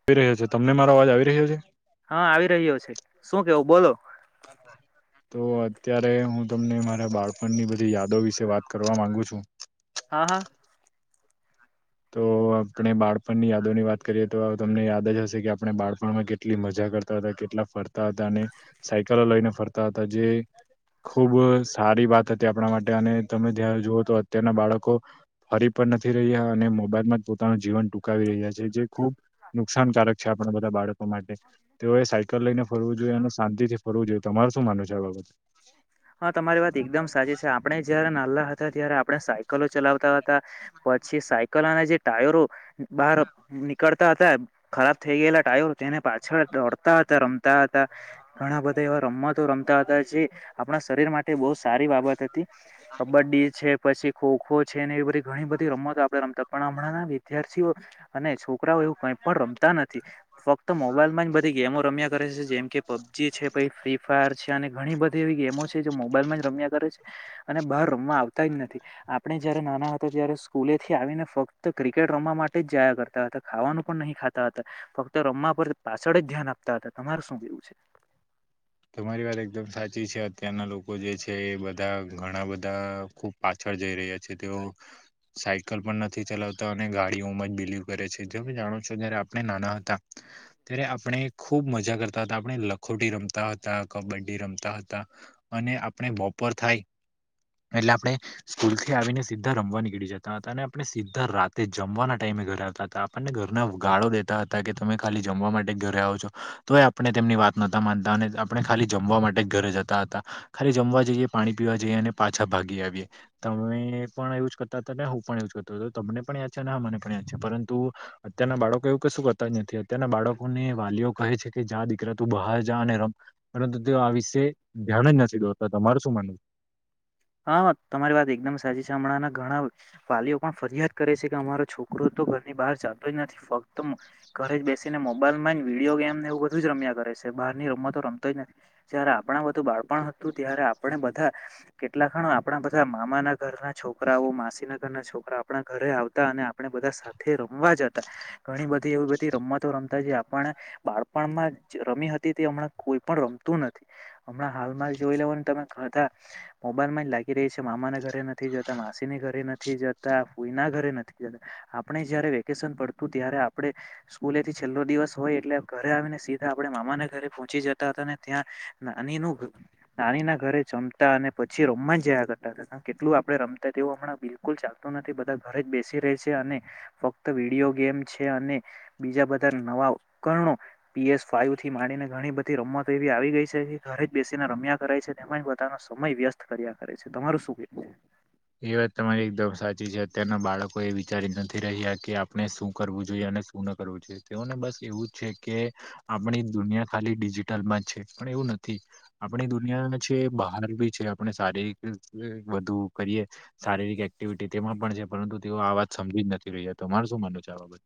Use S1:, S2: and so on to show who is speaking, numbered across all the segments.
S1: આવી રહ્યો છે તમને મારો અવાજ આવી રહ્યો છે.
S2: હા આવી રહ્યો છે શું કેવું બોલો
S1: હબ [unintelligible] તો અત્યારે હું તમને મારા બાળપણની બધી યાદો વિશે વાત કરવા માંગુ છું.
S2: હા હા
S1: તો આપણે બાળપણ ની યાદો ની વાત કરીએ તો તમને યાદ જ હશે કે આપણે બાળપણમાં કેટલી મજા તા હતા કેટલા ફરતા હતા અને સાયકલો લઈને ફરતા હતા જે ખુબ સારી વાત હતી આપણા માટે અને તમે જ્યારે જુઓ તો અત્યારના બાળકો ફરી પણ નથી રહ્યા અને મોબાઈલમાં જ પોતાનું જીવન ટૂંકી રહ્યા છે જે ખુબ નુકસાનકારક છે આપણા બધા બાળકો માટે તેઓએ સાયકલ લઈને ફરવું જોઈએ અને શાંતિ થી ફ કરવું જોઈએ તમાર શું માનું છે આ બાબ
S2: હા તમારી વાત એકદમ સાચી છે આપડે જયારે નાલા ત્યારે આપણે સાયકલો ચલાવતા હતા પછી સાયકલના જે ટાયરો બારની હતા ખરાબ થઈ ગયેલા ટાયર તેને પાછળ દોડતા હતા રમતા હતા ઘણા બધા રમતો રમતા હતા જે આપણા શરીર માટે બહ સાર બાબત હતી કબડ્ડી છે પછી ખો ખો છે ને એ બધી ઘણી બધી રમ આપડે ર વિદ્યાર્થીઓ અને છરા એવું કઈ પણ રમતા નથી ફક્ત મોબાઈલમાં જ બધી ગેમો રમ્યા કરે છે જેમ કે પબજી છે પ ફ્રી ફાયર છે અને ઘણી બધી એવી ગેમો છે મોબાઈલમાં જ રમ્યા કરે છે અને બહાર રમવા આવતા જ નથી આપણે જયારે નાના હતા ત્યારે સ્કૂલે થી આવીને ફક્ત ક્રિકેટ રમવા માટે જ જાયા કરતા હતા. ખાવાનું પણ નહીં ખાતા હતા ફક્ત રમવા પર પાછળ જ ધ્યાન આપતા હતા તમારે શું કેવું છે.
S1: [inaudible] તમારી વાત એકદમ સાચી છે અત્યારના લોકો જે છે એ બધા ઘણા બધા ખુબ પાછા જઈ રહ્યા છે તેઓ સાયકલ પણ નથી ચલાવતા અને ગાડીઓમાં જ બિલીવ કરે છે તમે જાણો છો જયારે આપણે નાના હતા. ત્યારે આપણે ખુબ મજા કરતા હતા આપણે લખોટી રમતા તા હતા કબડ્ડી રમતા હતા અને આપણે બપોર થાય એટલે આપણે સ્કૂલથી આવીને સીધા રમવા નીકળી જતા હતા અને આપણે સીધા રાતે જમવાના ટાઈમ આવ હતા આપણને ઘરના ગાળો દેતા હતા કે તમે ખાલી જમવા માટે ઘરે આવ છો તો આપને તેમની વાત નતા માનતા અને આપણે ખાલી જમવા માટે ઘરે જતા હતા ખાલી જમવા જઈએ પાણી પીવા જઈએ અને પાછા ભાગી આવીએ તમે પણ એવુજ કરતા હતા ને હું પણ એવુજ કરતો હતો તમને પણ યાદ છે, અને હા મને પણ યાદ છે, પરંતુ અત્યારના બાળકો એવું કશું કરતા જ નથી અત્યારના બાળકોને વાલીઓ કહે છે, કે જા દીકરા તું બહાર જા અને રમ પરંતુ તે આ વિશે ધ્યાન જ નથી દોતા તમારું શું માનવુ?
S2: હા તમારી વાત એકદમ સાચી છે, હમણાંં ઘણા વાલીઓ પણ ફરિયાદ કરે છે, કે અમારો છોકરો તો ઘરની બહાર ચાલતો જ નથી ફક્ત ઘરે જ બેસીને મોબાઈલમા જ વિડીયો ગેમને એવું બધું જ રમ્યા કરે છે, બહારની રમતો રમતો જ ન જયારે આપણા બધું બાળપણ હતું ત્યારે આપણે બધા કેટલા ખણ આપણા બધા મામાના ઘરના છોકરાઓ માસીના ઘરના છોકરા આપણા ઘ રે આવતા અને આપણે બધા સાથે રમવા જતા ઘણી બધી એવી બધી રમવાતો રમતા જે આપણ બાળપણમાં જ રમી હતી તે હમણાં કોઈ પણ રમતું નથી હમણાં હાલમાં જોઈ લેવા તમે હતા મોબાઈલમાં જ લાગી રે છે, મામાના ઘરે નથી જતા માસીને ઘરે નથી જતા ફુઈના ધરે નથી જતા આપણે જયારે વેકેશન પડતું ત્યારે આપડે સ્કૂલેથી છેલ્લો દિવસ હોય એટલે ઘરે આવીને સીધા આપણે મામાના ઘરે પહોંચી જતા હતા અને ત્યાં નાની નુ નાની ના ઘરે જમતા અને પછી રમાજ જયા કરતા હતા કેટલું આપણે રમતા તેવું હમણાં બિલકુલ ચાલતું નથી બધા ઘરે બેસી રહે છે, અને ફક્ત વિડીયો ગેમ છે, અને બીજા બધા નવા ઉપકરણો પીએસ ફાઈવ થી માંડીને ઘણી બધી રમતો એવી આવી ગઈ છે, ઘરે જ બેસીને રમ્યા કરાય છે, તેમાંજ બ ધાનો સમય વ્યસ્ત કર્યા કરે છે, તમારું શું કે?
S1: એ વાત તમારી એકદમ સાચી છે અત્યારના બાળકો એ વિચારી નથી રહ્યા કે આપણે શું કરવું જોઈએ. અને સુ ન કરવુ જોયે તેઓને બસ એવું જ છે, કે આપણી દુનિયા ખાલી ડિજિટલમાં છે. એવું નથી આપણી દુનિયા છે, બહાર બી છે, આપણે સારી રીતે વધુ કરીએ શારીરિક એક્ટિવિટી તેમાં પણ છે, પરંતુ તેઓ આ વાત સમજી જ નથી રહ્યા તમાર શું માનવુ છે આ બાબત?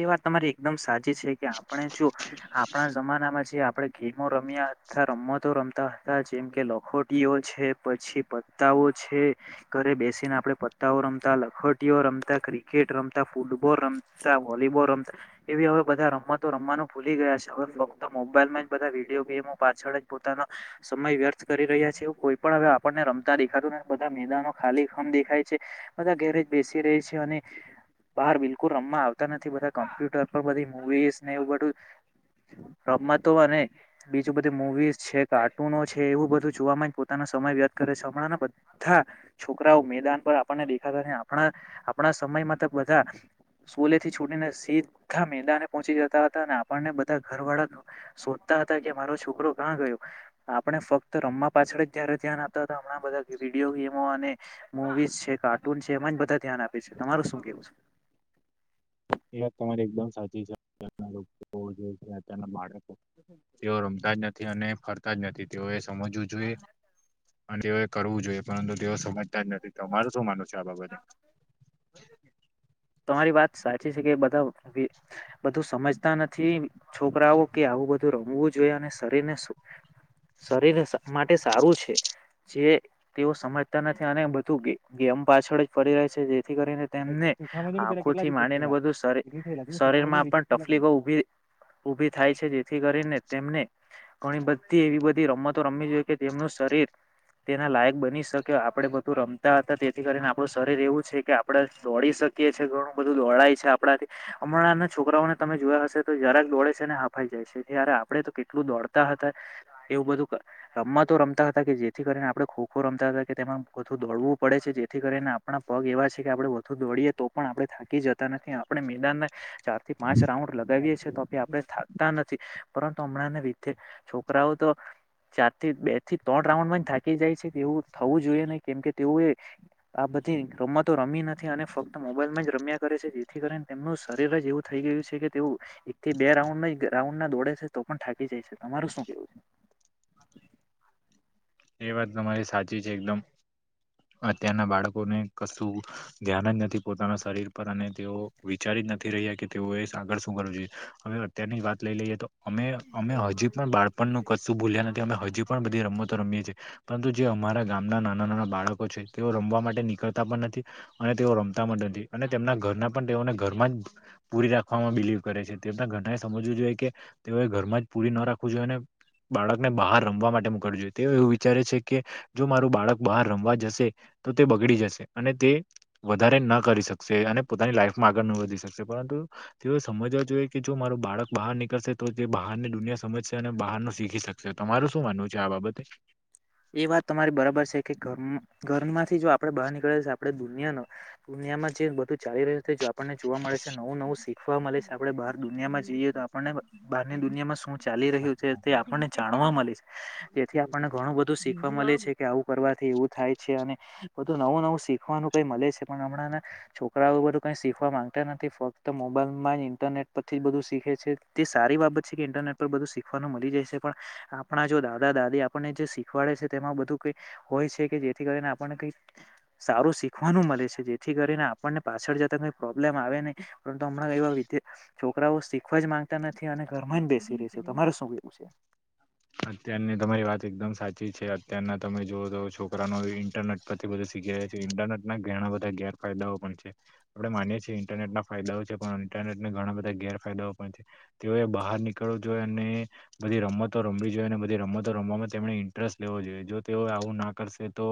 S2: એ વાત તમારી એકદમ સાચી છે, કે આપણે જો આપણા જમાનામાં જે આ પણે ગેમો રમ્યા હતા રમતો રમતા હતા જેમ કે લખોટીઓ છે, પછી પત્તા ઓ છે, ઘરે બેસીને આપણે પત્તાઓ રમતા લખટીઓ રમતા ક્રિકેટ રમતા ફૂટબોલ રમ તા વોલીબોલ રમતા એવી હવે બધા રમતો રમવાનું ભૂલી ગયા છે, હવે ફકત મોબાઈલમાં જ બધા વિડીયો વીમો પાછળ જ પોતાનો સમય વ્યર્થ કરી રહ્યા છે, કોઈ પણ હવે આપણને રમતા દેખાતું ન બધા મેદાનો ખાલી ખમ દેખાય છે, બધા ગેરેજ બેસી રે છે, અને બહાર બિલકુલ રમવા આવ થી બધા કોમ્પ્યુટર પર બધી મુવીઝ ને એવું બધું રમતો અને બીજું બધી મુવી છે, કાર્ટૂનો છે, એવું બધું જોવામા જ પોતાના સમ ય વ્ય કરે છે, હમણાં બધા છોકરાઓ મેદાન પર આપણને દેખાતા આપણા આપણા સમય મા ત બધા સ્કુલેથી છોડીને સીધા મેદાને પહોંચી જતા હતા અને આપણને બધા ઘર વાળા શોધતા હતા. કે મારો છોકરો કા ગયો આપણે ફક્ત રમવા પાછળ જયારે ધ્યાન આપતા હમણાં બધા વિડીયો ગેમો અને મુવીઝ છે, કાર્ટૂન છે, એમાં જ બધા ધ્યાન આપે છે. તમારું શું કેવું છે?
S1: એ વાત તમારી એકદમ સાચી છે. [unintelligible] બાળકો તેઓ રમતા જ નથી અને ફરતા જ નથી તેઓએ સજવું જોઈએ અને તેઓએ કરવું જોઈએ પરંતુ તેઓ સમજ તા જ નથી તમારું શું માનવુ છે, આ બાબતે?
S2: તમારી વાત સાચી છે, કે બધા બધું સમજતા નથી છોકરાઓ કે આવું બધું રમવું જોઈએ અને શરીરને શરીર સા માટે સારું છે. જે તેઓ સમજતા નથી અને બધું ગે ગેમ પાછળ જ પડી રહે છે જે થી કરીને તેમને
S1: સુખામાં જોને પેલા કેટલા
S2: આંખોથી
S1: રિજેક્ટ
S2: માંડીને
S1: થયેલા
S2: બધું શરી
S1: કેટલી થયેલા
S2: શરીર
S1: સુખામાં
S2: માં
S1: રિજેક્ટ
S2: પણ
S1: થયેલા કે
S2: તકલીફો ઉભી ઉભી થાય છે, જેથી કરીને તેમને ઘણી બધી એવી એવી બધી રમતો રમવી જોઈએ કે તેમનું શરીર તેના લાયક બની શકે આપડે બધું રમતા હતા તેથી કરીને આપડું શરીર એવું છે કે આપડે દોડી શકી. છે ઘણું બધું દોડાય છે આપણા થી હમણાં નાં છોકરાઓને તમે જોયા હશે તો જરાક દોે છે ને હાફાઈ જાય. આપડે તો કેટલું દોડતા હતા એવું બધું રમવા તો રમતા હતા કે જેથી કરીને. આપણે ખોખો રમતા હતા કે તેમાં વધુ દોડવું પડે છે જેથી કરીને આપણા પગ એવા છે કે આપણે વધુ દોડીએ તો. પણ આપણે થાકી જતા નથી આપણે મેદાનના ચાર થી પાંચ
S1: નહીં?
S2: રાઉન્ડ. લગાવીએ છ છે તોી આપણે થાકતા નથી પરંતુ હમણાં રીતે છોકરાઓ તો. ચાર થી બે થી ત્રણ રાઉન્ડ માં થાકી જાય છે તેવું થવું જોઈએ નહી કેમ કે તે. રમ તો રમી નથી અનેક્. મોબાઈલ માં જ રમ્યા કરે છે જેથી કરીને તેમનું શરીર જ એવું થઈ ગયું છે કે તેવું એકથી બે રાઉન્ડ. રાઉન્ડ ના દોડે છે તો પણ થાકી જાય છે તમારું શું કેવું છે.
S1: એ વાત તમારી સાચી છે એકદમ. અત્યારના બાળકોને કશું ધ્યાન જ નથી પોતાના શરીર પર અને તેઓ વિચારી. નથી રહ્યા કે તેઓએ આગળ શું કરવું જોઈએ હવે અત્યારની જ વાત લઈ લઈએ તો. અમે અમે હજી પણ બાળપણનું કશું ભૂલ્યા નથી અમે હજી પણ બધી રમતો રમીએ છીએ. પરંતુ જે અમારા ગામના નાના નાના બાળકો છે તેઓ રમવા માટે નીકળતા પણ નથી અને તેઓ રમ તા પણ નથી અને તેમના ઘરના પણ તેઓને ઘરમાં જ પૂરી રાખવામાં બિલીવ કરે છે તેમના ઘરનાએ સમજવું જ જોએ કે તેઓએ ઘરમાં જ પૂરી ના રાખવું જોઈએ અને બાળકને બહાર રમવા માટે મોકલવુ જોઈએ તેઓ એવું વી વિચારે છે કે જો મારું બાળક બહાર રમવા જશે તો તે બગડી જશે અને તે વધારે જ ન કરી શકશે અને પોતાની લાઈફમાં આગળ ન વધી શકશે પરંતુ તેઓ સમજવા જોઈએ કે જો મારુ બાળક બહાર નીકળશે તો તે બહાર ની દુનિયા સમજશે અને બહાર નું શીખી શકશે તમારુ શું માનવું છે આ બાબતે
S2: એ વાત તમારી બરાબર છે કે ઘર મ ઘરમાંથી જો આપડે બહાર નીકળે છે આપડે દૂ નિયાનો દુનિયામાં જે બધું ચાલી રહ્યું છે આપણને જોવા મળે છે નવું નવું શીખવા મળે છે આપણે બહાર દુનિયામાં જઈએ તો આપણને બહારની દુનિયામાં શું ચાલી રહ્યું છે તે આપણને જાણવા મલે છે જેથી આપણને ઘણું બધું ધું શીખવા મળે છે કે આવું કરવાથી એવું થાય છે અને બધું નવું નવું શીખવાનું ક ઈ મલે છે પણ હમણાં ના છોકરાઓ બધું કઈ શીખવા માંગતા નથી ફક્ત મોબાઈલ માં જ ઇન્ટરનેટ પરથી બઘુ શીખે છે તે સારી બાબત છે કે ઇન્ટરનેટ પર બધું શીખવાનું મલી જાય છે પણ આપણા જો દાદા દાદી આપડને જે શીખવાડે છે તેમાં બધું કઈ હોય છે કે જેથી કરીને આપડને કઈ સારું શીખવાનું મળે છે જેથી કરીને આપણને પાછળ જતા કોઈ પ્રોબ્લેમ આવે નહી પરંતુ હમણાં ક જે છોકરાઓ શીખવા જ માંગતા નથી અને ઘરમાં જ બેસી રહે છે તમારે શું કેવું છે.
S1: અત્યારની તમારી વાત એકદમ સાચી છે અત્યારના તમે જો તો છોકરા નો ઇન્ટરનેટ પરથી બધું શીખ જે થી ઇન્ટરનેટ ના ઘેણા બધા ગેરફાયદાઓ પણ છે આપડે માનીએ છીએ ઇન્ટરટ ના ફાયદાઓ છે પણ ઇન્ટ નેટ એ ઘણા બધા ગેરફાયદાઓ પણ છે તેઓએ બહાર નીકળવું જોઈએ અને બધી રમત તો રમવી જોઈએ અને બધી રમતો રમવામાં તેમણે ઇન્ટરેસ્ટ લેવો જોઈએ જો તેઓ આવું ના કરશે તો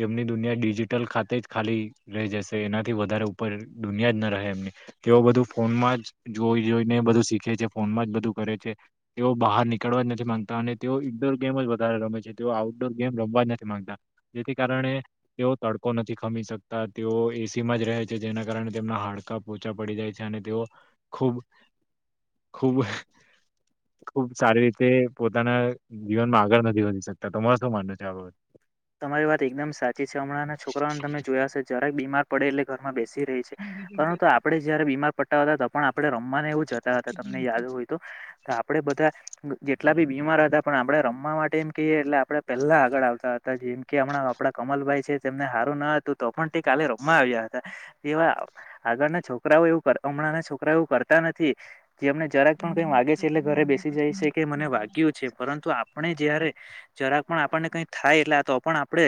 S1: તેમની દુનિયા ડિજિટલ ખાતે જ ખાલી રહી જશે એનાથી વધારે ઉપર દુનિયા જ ના રહે એમની તેઓ બધું ફોન માં જ જોઈ જોઈને બધું શીખે છે ફોન જ બધું કરે છે તેઓ બહાર નીક કડવા જ નથી માંગતા અને તેઓ ઇન્ડોર ગેમ જ વધારે રમે છે તેઓ આઉટડોર ગેમ રમવા જ નથી માંગતા જેથી કારણે પણે તેઓ તડકો નથી ખમી શકતા તેઓ એસી માં જ રહે છે જેના કારણે તેમના હાડકા પોચા પડી જાય છે અને તેઓ ખૂબ ખૂબ ખૂબ સારી રી તે પોતાના જીવનમાં આગળ નથી વધી શકતા તમારે શું માનવુ છે આ બા
S2: તમારી વાત એકદમ સાચી છે હમણાં છોકરાઓને તમે જોયા હો જ્યારેક બીમાર પડે એટલે ઘરમાં બેસ શી રેય છે પરંતુ આપડે જયારે બીમાર પડતા હતા તો પણ આપણે રમવાનું એ જતા હતા તમને યાદ હોય તો આપડે બધા જેટલા બી બીમાર હતા પણ આપડે રમવા માટે એમ કહીએ એટલે આપડે પહેલા આગળ આવતા હ જેમ કે હમણાં આપડા કમલભાઈ છે તેમને હારું ન હતું તો પણ તે કાલે રમવા આવ્યા હતા એવા આગળના છોકરાઓ એવું કર હમણાં ના છોકરા એવું કરતા નથી જે અમને જરાક પણ કઈ વાગે છે એટલે ઘરે બેસી જાય છે કે મને વાગ્યું છે પરંતુ આપણે જયારે જરાક પણ આપણને કઈ થાય એટલે તો પણ આપડે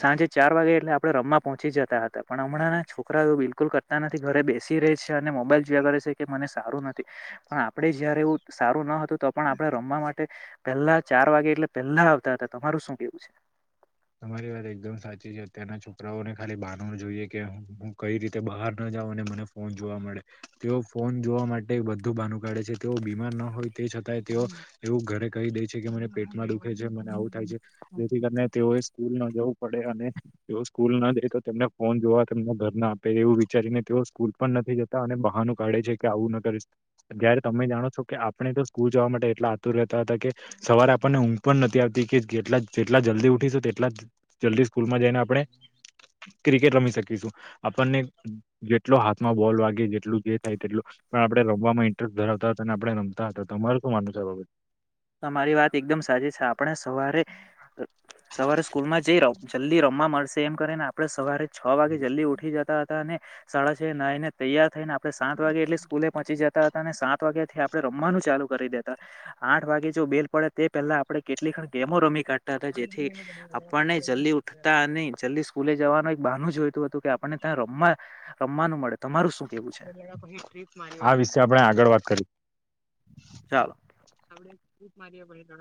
S2: સાંજે ચાર વાગે એટલે આ પણે રમવા પહોંચી જતા હતા પણ હમણાં છોકરાઓ બિલકુલ કરતા નથી ઘરે બેસી રહે છે અને મોબાઈલ જોયા કરે છે કે મને સારું નથી પણ આપણેે જયારે એવું સારું ન હ તું તો પણ આપણે રમવા માટે પહેલા ચાર વાગે એટલે પહેલા આવતા હતા તમારું શું કેવું છે.
S1: ત્યાંના છોકરાઓને ખાલી બાનુ જોઈએ કે હું હું કઈ રીતે બહાર ના જાઉ અને મને ફોન જોવા મળે. તેઓ ફોન જોવા માટે બધું બાનું કાઢે છે તેઓ બીમાર ન હોય તે છતાં તેઓ એવું ઘરે કહી દે છે કે મને પેટમાં દુખે છે મને આવું થાય છે જેથી કરીને તેઓએ સ્કૂલ ના જવું પડે અને તેઓ સ્કૂલ ના જાય તો તેમને ફોન જોવા તેમના ઘર ના આપે એવું વિચારીને ઓ સ્કૂલ પણ નથી જતા અને બહાનું કાઢે છે કે આવું ના કરીશ જયારે તમે જાણો છો કે આપણે તો સ્કૂલ જવા માટે એટલા આતુર રહેતા હતા કે સવારે આપણને ઊંઘ પણ નથી આવતી કે કેટલા જેટલા જલ્દી ઉઠીશું તે ટલા જલ્દી સ્કૂલમાં જઈને આપણે ક્રિકેટ રમી શકીશું આપણને જેટલો હાથમાં બોલ વાગે જેટલું જે થાય તેટલો પણ આપડે રમવામાં ઇન્ટરેસ્ટ ધરાવતા હતા અને આપણે રમતા હતા તમારું શું માનવું છે આ બાબ
S2: તમારી વાત એકદમ સાચી છે આપણે સવારે સવારે સ્કૂલ માં જઈ રહ જલ્દી રમવા મળશે એમ કરી ને આપડે સવારે છ વાગે જલ્દી ઉઠી જતા હતા અને સાડા છએ નાઇને તૈયાર થઈને આપ પણે સાત વાગે એટલે સ્કૂલે પહોંચી જતા હતા અને સાત વાગ્યાથી આપણે રમવાનું ચાલુ કરી દેતા આઠ ઠ વાગે જો બેલ પડે તે પહેલા આપણે કેટલી ખ ગેમો રમ કાઢી જેથી આપણને જલ્દી ઉઠતા અને જલ્દી સ્કૂલે જવાનું એક બાનુંુ જોય હતું કે આપણને ત્યાં રમ રમવાનું મળે તમારું શું કેવું છે
S1: આ વિશે આપણે આગળ વાત કરી
S2: ચાલ
S1: પઊત મારી્યા બળી તોડા